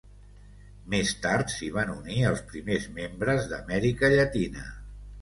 Més tard s'hi van unir els primers membres d'Amèrica Llatina.